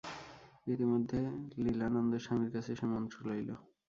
ইতিমধ্যে লীলানন্দস্বামীর কাছে সে মন্ত্র লইল।